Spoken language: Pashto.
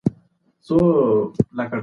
د دښمن د پوځونو شمېر تر افغانانو زیات و.